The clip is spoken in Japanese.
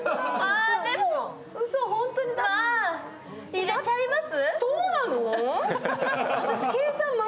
入れちゃいます？